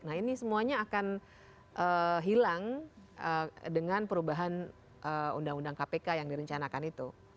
nah ini semuanya akan hilang dengan perubahan undang undang kpk yang direncanakan itu